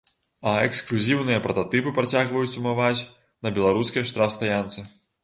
А эксклюзіўныя прататыпы працягваюць сумаваць на беларускай штрафстаянцы.